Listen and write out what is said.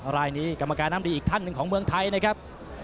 รายนี้กรรมการน้ำดีอีกท่านหนึ่งของเมืองไทยนะครับ